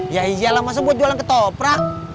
ya iyalah masa buat jualan ketoprak